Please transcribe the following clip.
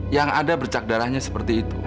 yang ada bercak darahnya seperti itu